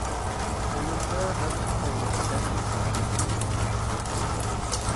Qo‘limda bir hovuch danak bilan ayvonga chiqdim.